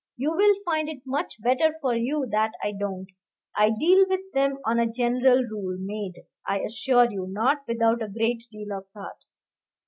You will find it much better for you that I don't. I deal with them on a general rule, made, I assure you, not without a great deal of thought."